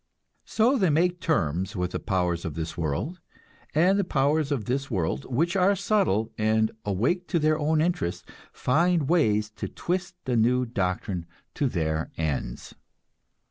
So they make terms with the powers of this world, and the powers of this world, which are subtle, and awake to their own interests, find ways to twist the new doctrine to their ends.